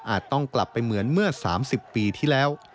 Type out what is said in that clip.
ต้องกลับไปเหมือนเมื่อ๓๐ปีที่แล้ว